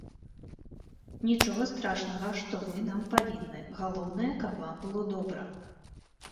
Нічога страшнага, што вы нам павінны, галоўнае, каб вам было добра!